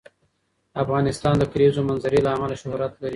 افغانستان د د کلیزو منظره له امله شهرت لري.